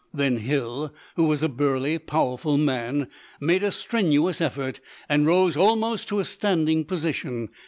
Then Hill, who was a burly, powerful man, made a strenuous effort, and rose almost to a standing position.